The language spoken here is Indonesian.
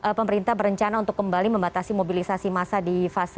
apakah pemerintah berencana untuk kembali membatasi mobilisasi masa di fase krusial nanti